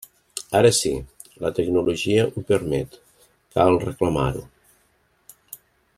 Ara sí, la tecnologia ho permet, cal reclamar-ho.